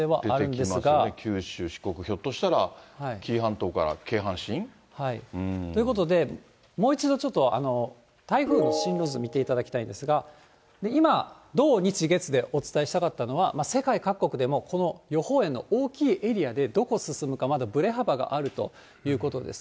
出てきますね、九州、四国、ひょっとしたら、紀伊半島から京ということで、もう一度ちょっと、台風の進路図を見ていただきたいんですが、今、土、日、月でお伝えしたかったのは、世界各国でも、この予報円の大きいエリアで、どこ進むか、まだぶれ幅があるということです。